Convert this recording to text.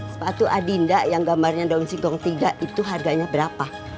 sepatu adinda yang gambarnya daun singgong tiga itu harganya berapa